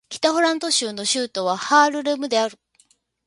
北ホラント州の州都はハールレムである